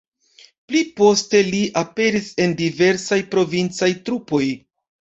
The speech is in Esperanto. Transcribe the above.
Pli poste li aperis en diversaj provincaj trupoj.